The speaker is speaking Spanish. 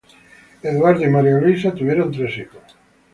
Edward y Marie Louise tuvieron tres hijos.